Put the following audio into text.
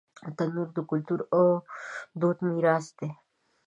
تنور د کلتور او دود میراث دی